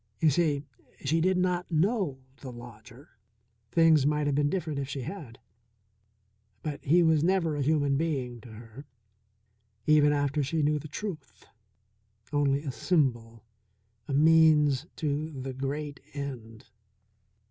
You see, she did not know the lodger. Things might have been different if she had. But he was never a human being to her, even after she knew the truth; only a symbol, a means to the great end.